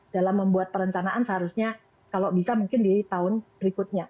dalam membuat perencanaan seharusnya kalau bisa mungkin di tahun berikutnya